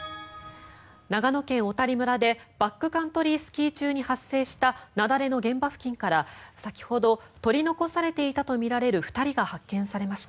長野県小谷村でバックカントリースキー中に発生した雪崩の現場付近から先ほど取り残されていたとみられる２人が発見されました。